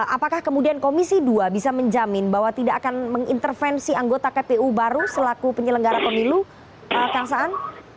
apakah kemudian komisi dua bisa menjamin bahwa tidak akan mengintervensi anggota kpu baru selaku penyelenggara pemilu kang saan